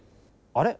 あれ？